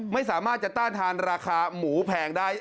ไม่สามารถจะต้านทานราคาหมูแพงได้